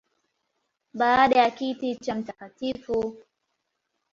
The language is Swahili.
Baada ya kiti cha Mt.